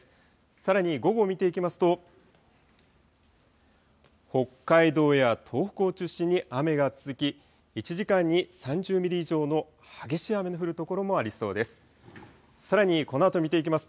さらに午後見ていきますと、北海道や東北を中心に雨が続き、１時間に３０ミリ以上の激しい雨の降る所もありそうです。